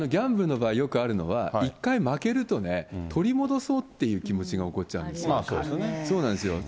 ギャンブルの場合、よくあるのは一回負けると、取り戻そうっていう気持ちが起こっちゃうんですよ。